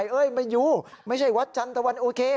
เอ้ยมาอยู่ไม่ใช่วัดจันตะวันโอเค